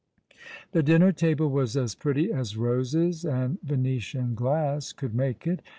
The dinner table was as pretty as roses and Venetian glass could make it.